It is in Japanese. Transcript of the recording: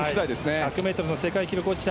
１００ｍ世界記録保持者。